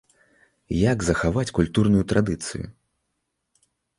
Як захаваць культурную традыцыю?